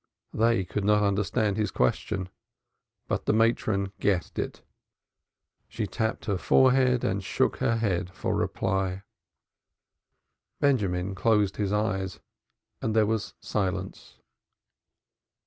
They could not understand his own question, but the matron guessed it. She tapped her forehead and shook her head for reply. Benjamin closed his eyes and there was silence.